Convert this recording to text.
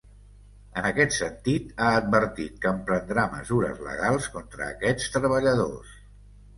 En aquest sentit, ha advertit que emprendrà mesures legals contra aquests treballadors.